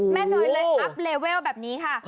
เนยเลยอัพเลเวลแบบนี้ค่ะ